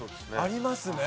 ありますね。